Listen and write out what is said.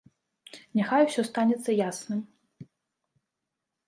Няхай усё станецца ясным.